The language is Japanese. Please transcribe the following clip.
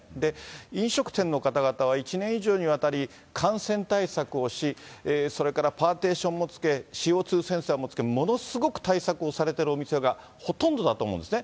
飲食店の方々は、１年以上にわたり感染対策をし、それからパーティションもつけ、ＣＯ２センサーも付け、ものすごく対策をされているお店がほとんどだと思うんですね。